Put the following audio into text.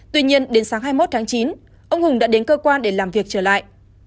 tuy nhiên đến sáng hai mươi một tháng chín ông hùng đã đến cơ quan để làm việc trở lại